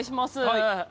はい。